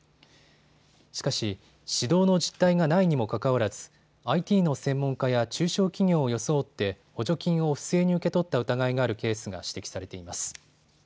しかし指導の実態がないにもかかわらずＩＴの専門家や中小企業を装って補助金を不正に受け取った疑いがあるケースが指摘されています。